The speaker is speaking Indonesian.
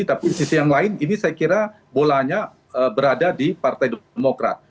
tapi di sisi yang lain ini saya kira bolanya berada di partai demokrat